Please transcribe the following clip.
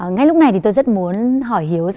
ngay lúc này tôi rất muốn hỏi hiếu